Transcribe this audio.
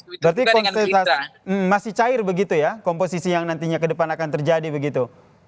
berarti masih cair begitu ya komposisi yang nantinya ke depan akan terjadi begitu